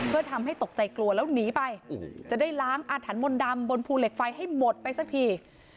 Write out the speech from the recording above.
เพื่อทำให้ตกใจกลัวแล้วหนีไปจะได้ล้างอาถรรพมนต์ดำบนภูเหล็กไฟให้หมดไปสักที